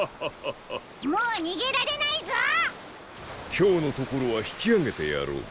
きょうのところはひきあげてやろう。